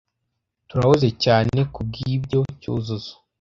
Turahuze cyane kubwibyo, Cyuzuzo.